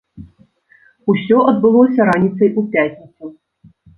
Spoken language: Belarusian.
Усё адбылося раніцай у пятніцу.